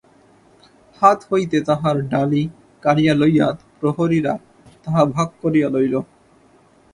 হাত হইতে তাহার ডালি কাড়িয়া লইয়া প্রহরীরা তাহা ভাগ করিয়া লইল।